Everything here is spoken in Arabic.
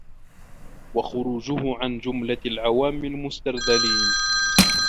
وَخُرُوجِهِ عَنْ جُمْلَةِ الْعَوَامّ الْمُسْتَرْذَلِينَ